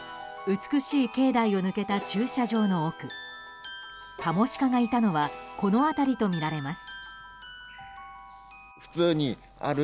美しい境内を抜けた駐車場の奥カモシカがいたのはこの辺りとみられます。